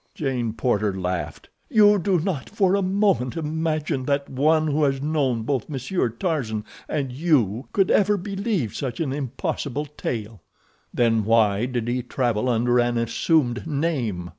Jane Porter laughed. "You do not for a moment imagine that one who has known both Monsieur Tarzan and you could ever believe such an impossible tale?" "Then why did he travel under an assumed name?"